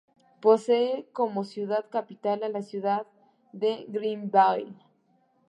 Posee como ciudad capital a la ciudad de Greenville.